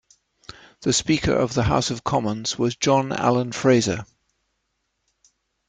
The speaker of the House of Commons was John Allen Fraser.